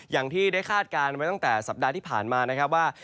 อย่างที่ได้คาดการณ์ไว้ตั้งแต่สัปดาห์ที่ผ่านมานะครับว่า